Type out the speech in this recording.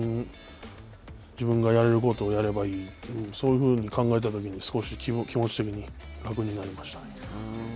自分がやれることをやればいい、そういうふうに考えたことで少し気持ち的に楽になりましたね。